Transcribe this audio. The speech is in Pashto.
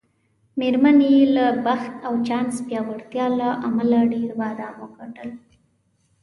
میرمنې یې له بخت او چانس پیاوړتیا له امله ډېر بادام وګټل.